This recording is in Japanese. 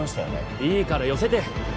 ・いいから寄せて。